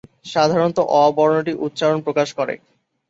সাধারণত ‘অ’ বর্ণটি উচ্চারণ প্রকাশ করে।